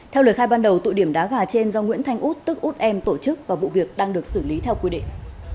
theo lời khai ban đầu tụ điểm đá gà trên do nguyễn thanh út tức út em tổ chức và vụ việc đang được xử lý theo quy định